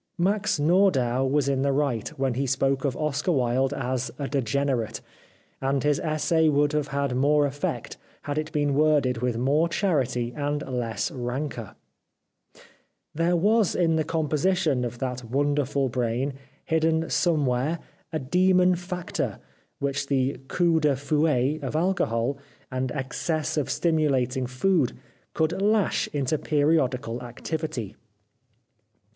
Max Nordau was in the right when he spoke of 336 The Life of Oscar Wilde Oscar Wilde as a degenerate, and his essay would have had more effect had it been worded with more charity and less rancour. There was in the composition of that wonderful brain, hidden somewhere, a demon factor, which the coup de fouet of alcohol and excess of stimulating food could lash into periodical activity.